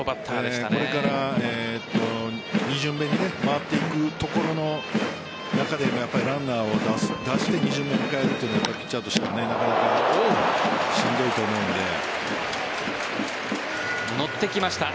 これから２巡目に回っていくところの中でランナーを出して２巡目を迎えるのはピッチャーとしては乗ってきました、